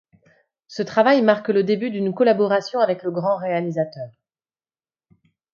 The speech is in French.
Ce travail marque le début d'une collaboration avec le grand réalisateur.